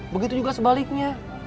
begitu juga sebaliknya